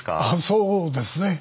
そうですね。